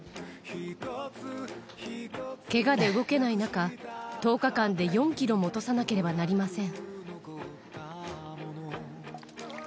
けがで動けない中、１０日間で４キロも落とさなければなりません。